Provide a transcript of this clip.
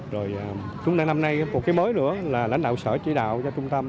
rồi chúng ta năm nay một cái mới nữa là lãnh đạo sở chỉ đạo cho trung tâm